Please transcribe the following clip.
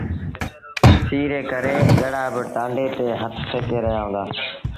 سيٚ ري ڪري ڳڙآ ٻآري ٽآنڊي تي هٿ سيڪي رهيآ هُݩدآ۔